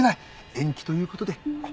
延期という事で。